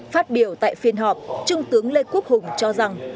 phát biểu tại phiên họp trung tướng lê quốc hùng cho rằng